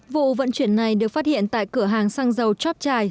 vụ vận chuyển này được phát hiện tại cửa hàng xăng dầu chop chai